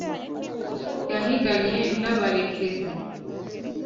Yahiganye n’abarekezi